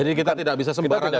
jadi kita tidak bisa sembarang ya